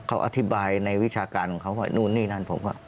เขาอธิบายในวิชาการของเขานู่นนี่นั่นผมก็